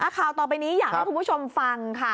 ข่าวต่อไปนี้อยากให้คุณผู้ชมฟังค่ะ